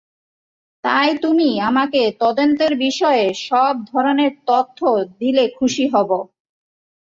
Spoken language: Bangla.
তাই তুমি আমাকে তদন্তের বিষয়ে সব ধরনের তথ্য দিলে খুশি হবো।